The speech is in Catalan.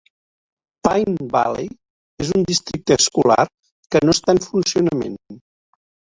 Pine Valley és un districte escolar que no està en funcionament.